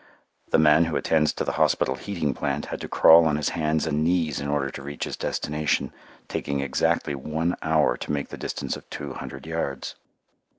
The man who attends to the hospital heating plant had to crawl on his hands and knees in order to reach his destination, taking exactly one hour to make the distance of two hundred yards.